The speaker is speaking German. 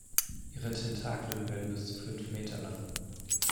Ihre Tentakel werden bis zu fünf Meter lang.